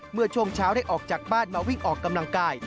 เมื่อช่วงเช้าได้ออกจากบ้านมาวิ่งออกกำลังกาย